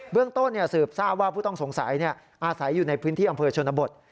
เรื่องต้นสืบทราบว่าผู้ต้องสงสัยอาศัยอยู่ในพื้นที่อำเภอชนบท